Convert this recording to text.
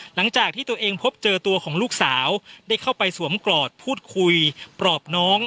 หลังจากที่ตัวเองพบเจอตัวของลูกสาวได้เข้าไปสวมกอดพูดคุยปลอบน้อง